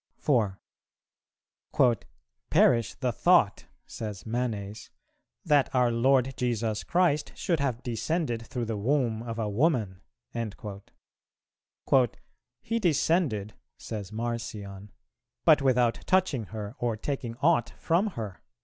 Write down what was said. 4. "Perish the thought," says Manes, "that our Lord Jesus Christ should have descended through the womb of a woman." "He descended," says Marcion, "but without touching her or taking aught from her."